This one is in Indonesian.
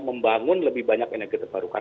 membangun lebih banyak energi terbarukan